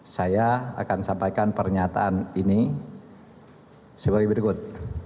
saya akan sampaikan pernyataan ini sebagai berikut